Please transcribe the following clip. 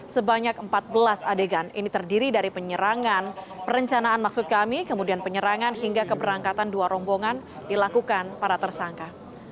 sebanyak empat belas adegan ini terdiri dari penyerangan perencanaan maksud kami kemudian penyerangan hingga keberangkatan dua rombongan dilakukan para tersangka